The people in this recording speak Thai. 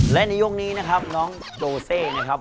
และในยกนี้นะครับน้องโดเซนะครับ